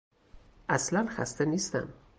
اصلا خسته نیستم.